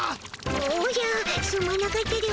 おじゃすまなかったでおじゃる。